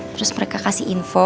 terus mereka kasih info